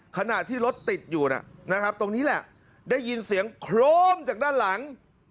ขณะที่รถติดอยู่นะครับตรงนี้แหละได้ยินเสียงโครมจากด้านหลัง